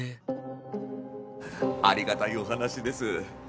ありがたいお話です。